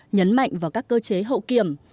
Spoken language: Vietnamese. nhấn mạnh vào các cơ chế hậu kiểm